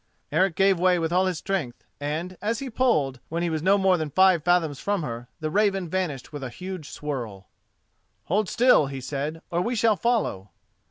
Eric gave way with all his strength, and, as he pulled, when he was no more than five fathoms from her, the Raven vanished with a huge swirl. "Hold still," he said, "or we shall follow."